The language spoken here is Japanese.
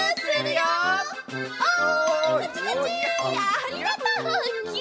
ありがとうぎゅ。